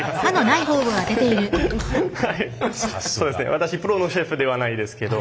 私プロのシェフではないですけどま